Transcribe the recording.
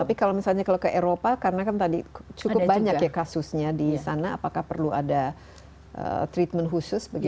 tapi kalau misalnya kalau ke eropa karena kan tadi cukup banyak ya kasusnya di sana apakah perlu ada treatment khusus